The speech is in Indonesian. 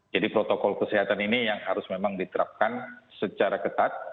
jadi protokol kesehatan ini yang harus memang diterapkan secara ketat